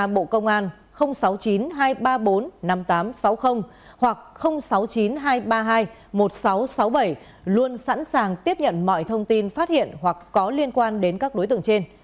bộ công an sáu mươi chín hai trăm ba mươi bốn năm nghìn tám trăm sáu mươi hoặc sáu mươi chín hai trăm ba mươi hai một nghìn sáu trăm sáu mươi bảy luôn sẵn sàng tiếp nhận mọi thông tin phát hiện hoặc có liên quan đến các đối tượng trên